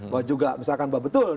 bahwa juga misalkan bahwa betul